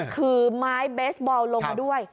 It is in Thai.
คือไม้เบสบอลลงมาด้วย